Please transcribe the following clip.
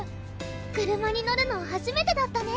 車に乗るのはじめてだったね？